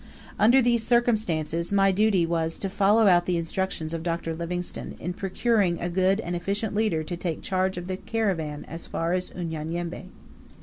Under these circumstances, my duty was to follow out the instructions of Dr. Livingstone, in procuring a good and efficient leader to take charge of the caravan as far as Unyanyembe.